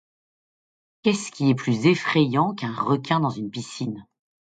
Qu'est-ce qui est plus effrayant qu'un requin dans une piscine ?